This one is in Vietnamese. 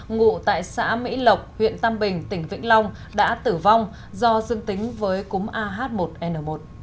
ngụ tại xã mỹ lộc huyện tam bình tỉnh vĩnh long đã tử vong do dương tính với cúm ah một n một